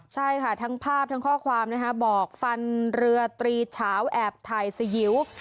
ใช่ค่ะทั้งภาพทั้งข้อความนะคะบอกฟันเรือตรีเฉาแอบถ่ายสยิว